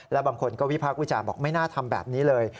แล้วบางคนก็วิพากษ์วิจารณ์บอกไม่น่าทำแบบนี้เลย